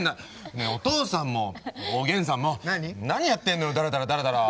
ねえお父さんもおげんさんも何やってんのよだらだらだらだら。